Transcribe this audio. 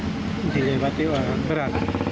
jangan lewat berat